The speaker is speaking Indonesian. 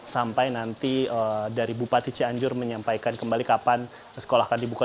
sampai nanti dari bupati cianjur menyampaikan kembali kapan sekolah akan dibuka